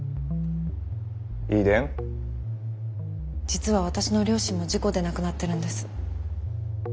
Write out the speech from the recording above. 実は私の両親も事故で亡くなってるんです。